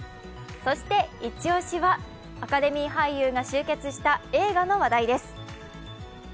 そしてイチ押しはアカデミー俳優が集結した映画の話題です。